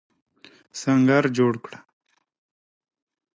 سنګر جوړ کړه.